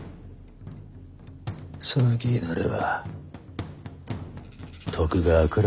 その気になれば徳川くらい潰せるぞ。